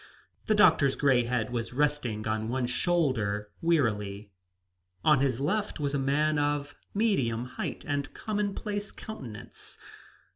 The doctor's gray head was resting on one shoulder wearily. On his left was a man of medium height and commonplace countenance.